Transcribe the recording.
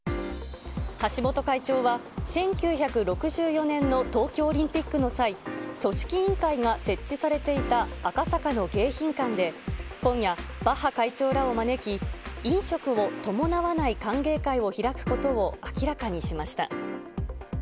橋本会長は、１９６４年の東京オリンピックの際、組織委員会が設置されていた赤坂の迎賓館で今夜、バッハ会長らを招き、飲食を伴わない歓迎会を開くことを明らかにしました。